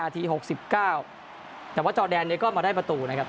นาทีหกสิบเก้าแต่ว่าจอแดนเนี่ยก็มาได้ประตูนะครับ